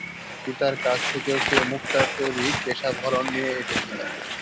সীতার কাছ থেকেও সে মুক্তার তৈরি কেশাভরণ নিয়ে এসেছিল।